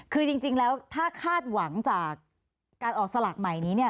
คือจริงแล้วถ้าคาดหวังจากการออกสลากใหม่นี้เนี่ย